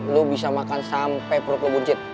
lo bisa makan sampe perut lo buncit